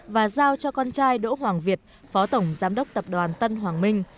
và giao cho con trai đỗ hoàng việt phó tổng giám đốc tập đoàn tân hoàng minh